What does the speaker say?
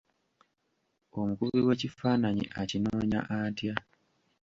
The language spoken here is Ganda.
Omukubi w'ekifaananyi akinoonya atya?